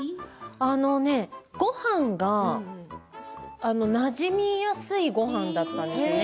あのね、ごはんがなじみやすいごはんだったんですよね。